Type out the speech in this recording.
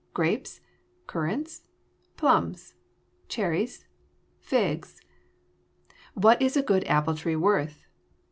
grapes? currants? plums? cherries? figs? What is a good apple tree worth?